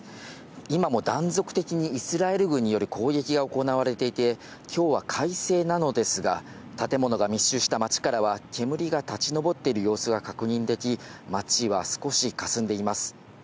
今も断続的にイスラエル軍による攻撃が行われていて、きょうは快晴なのですが、建物が密集した町からは、煙が立ち上っている様子が確認でき、町は少しかすんでいます。